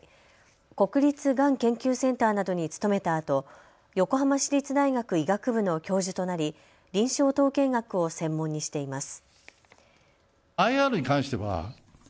国立がん研究センターなどに勤めたあと横浜市立大学医学部の教授となり、臨床統計学を専門にしています。